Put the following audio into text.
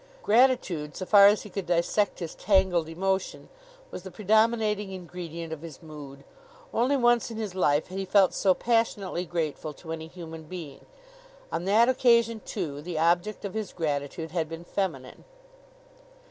Gratitude, so far as he could dissect his tangled emotion was the predominating ingredient of his mood. Only once in his life had he felt so passionately grateful to any human being. On that occasion, too, the object of his gratitude had been feminine.